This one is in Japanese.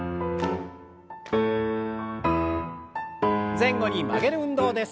前後に曲げる運動です。